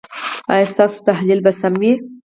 ایا ستاسو تحلیل به سم وي؟